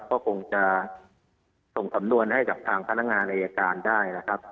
เราก็คงจะส่งสำนวนให้จากทางพนักงานเลยอีกการได้นะครับ